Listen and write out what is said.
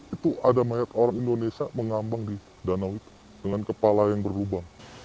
itu ada mayat orang indonesia mengambang di danau itu dengan kepala yang berlubang